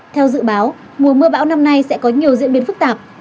theo dự báo mùa mưa bão năm nay sẽ có nhiều diễn biến phức tạp